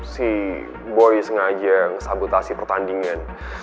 si boy sengaja ngesabotasi pertandingan